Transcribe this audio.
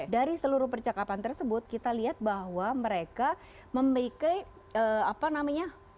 dari seluruh percakapan tersebut kita lihat bahwa mereka memiliki apa namanya